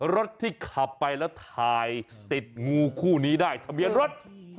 รถที่ขับไปแล้วถ่ายติดงูคู่นี้ได้ทะเบียนรถ